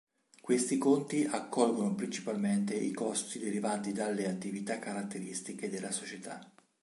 Questi conti accolgono principalmente i costi derivanti dalle attività caratteristiche della società.